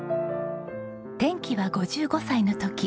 転機は５５歳の時。